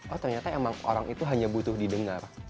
oh ternyata emang orang itu hanya butuh didengar